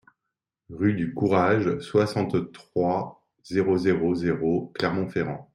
Rue du Courage, soixante-trois, zéro zéro zéro Clermont-Ferrand